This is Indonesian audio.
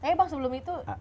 tapi bang sebelum itu